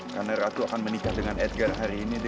karena ratu akan menikah dengan edgar hari ini dik